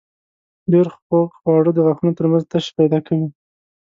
ډېر خوږ خواړه د غاښونو تر منځ تشې پیدا کوي.